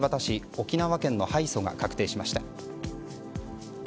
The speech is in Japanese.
沖縄県の敗訴が確定しました。